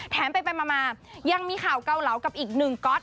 แถมไปมายังมีข่าวเกาเหลากับอีกหนึ่งก๊อต